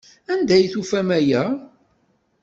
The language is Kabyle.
Anda ay d-ufan aya?